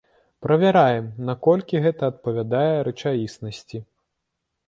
Правяраем, наколькі гэта адпавядае рэчаіснасці.